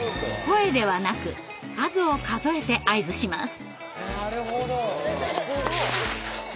声ではなく数を数えて合図します。